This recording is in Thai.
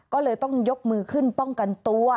ก็เลยต้องยกมือขึ้นป้องกันตัว